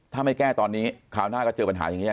ถ้าไม่แก้ตอนนี้คราวหน้าก็เจอปัญหาอย่างนี้